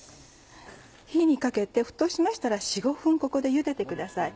火にかけて沸騰しましたら４５分ここでゆでてください。